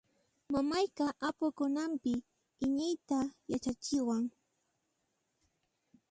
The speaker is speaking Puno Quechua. Mamayqa apukunapin iñiyta yachachiwan.